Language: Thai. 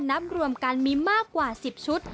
นับรวมกันมีมากกว่า๑๐ชุด